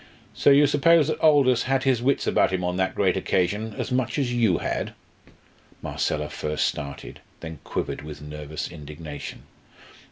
"So you suppose that Aldous had his wits about him on that great occasion as much as you had?" Marcella first started, then quivered with nervous indignation.